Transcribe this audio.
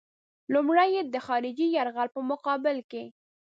لومړی یې د خارجي یرغل په مقابل کې.